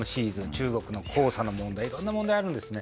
中国の黄砂の問題といろんな問題あるんですね。